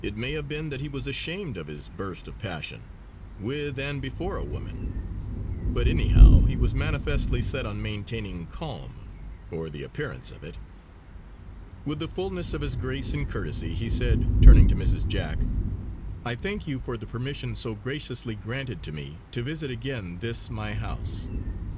It may have been that he was ashamed of his burst of passion, with and before a woman; but anyhow he was manifestly set on maintaining calm, or the appearance of it. With the fullness of his grace and courtesy he said, turning to Mrs. Jack: "I thank you for the permission, so graciously granted to me, to visit again this my house.